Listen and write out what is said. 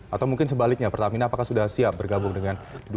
atau mungkin sebaliknya pertamina apakah sudah siap bergabung dengan dua